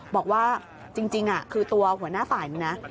บอกว่าจริงคือตัวหัวหน้าฝ่ายนึงนะ